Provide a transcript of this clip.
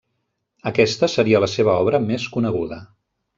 Aquesta seria la seva obra més coneguda.